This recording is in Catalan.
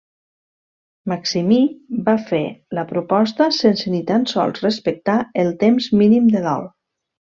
Maximí va fer la proposta sense ni tan sols respectar el temps mínim de dol.